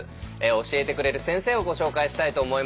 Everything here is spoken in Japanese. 教えてくれる先生をご紹介したいと思います。